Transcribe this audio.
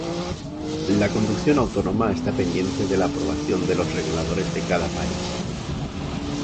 La conducción autónoma está pendiente de la aprobación de los reguladores de cada país.